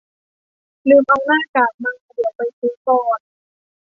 ลืมเอาหน้ากากมา เดี๋ยวไปซื้อก่อน